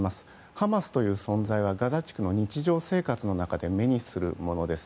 ハマスという存在はガザ地区の日常生活の中で目にするものです。